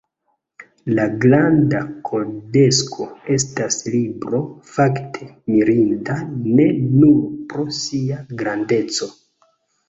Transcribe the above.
La Granda Kodekso estas libro fakte mirinda ne nur pro sia grandeco.